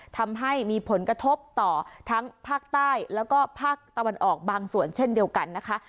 ทำให้มีผลกระทบต่อทั้งภาคใต้แล้วก็ภาคตะวันออกบางส่วนเช่นเดียวกันนะคะ